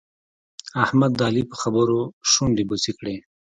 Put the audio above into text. احمد د علي په خبرو شونډې بوڅې کړې.